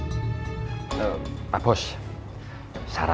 sama pak bos yang sebenarnya